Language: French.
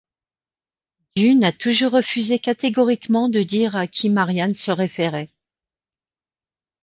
Dunn a toujours refusé catégoriquement de dire à qui Marian se référait.